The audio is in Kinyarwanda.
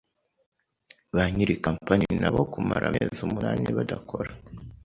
Banyiri company na bo kumara amezi umunani badakora